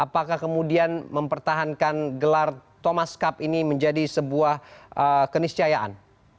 apakah kemudian mempertahankan gelar thomas cup ini menjadi sebuah keniscayaan